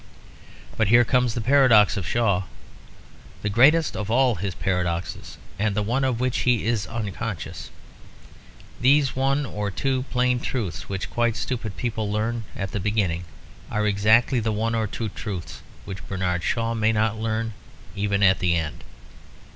But here comes the paradox of Shaw; the greatest of all his paradoxes and the one of which he is unconscious. These one or two plain truths which quite stupid people learn at the beginning are exactly the one or two truths which Bernard Shaw may not learn even at the end.